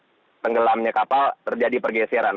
saat ini lokasi tenggelamnya kapal terjadi pergeseran